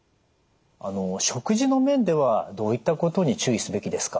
食事の面ではどういったことに注意すべきですか？